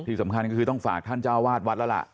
ที่สำคัญก็คือต้องฝากท่านเจ้าวาดวัดแล้วล่ะ